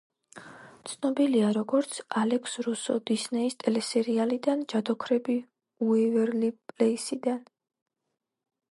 ცნობილია, როგორც ალექს რუსო დისნეის ტელესერიალიდან „ჯადოქრები უეივერლი პლეისიდან“.